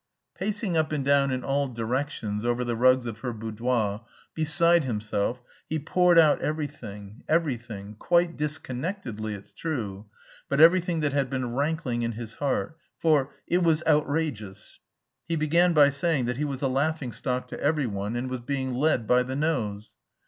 Pacing up and down in all directions over the rugs of her boudoir, beside himself, he poured out everything, everything, quite disconnectedly, it's true, but everything that had been rankling in his heart, for "it was outrageous." He began by saying that he was a laughing stock to every one and "was being led by the nose."